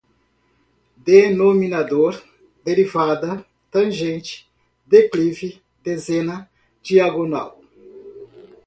denominador, derivada, tangente, declive, dezena, diagonal